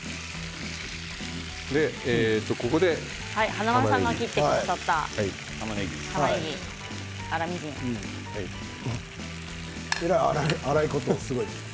華丸さんが切ってくださった粗みじんのたまねぎですね。